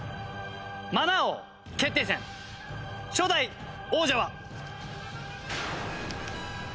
マナー王決定戦初代王者は。